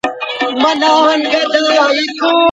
د زده کړي خنډونه باید په ګډه حل سي.